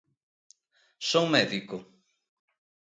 Son médico.